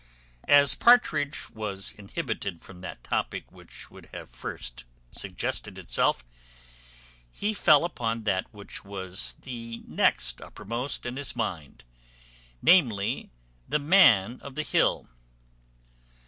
As Partridge was inhibited from that topic which would have first suggested itself, he fell upon that which was next uppermost in his mind, namely, the Man of the Hill.